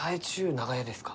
長屋ですか？